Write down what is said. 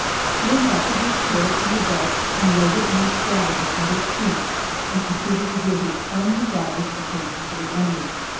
He unbuckled his sword from the belt, and laid it in the scabbard at his feet, and proceeded to give his undivided attention to the enemy.